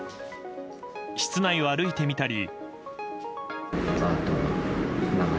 室内を歩いてみたり。